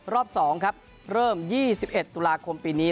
รอบ๒ครับเริ่ม๒๑ตุลาคมปีนี้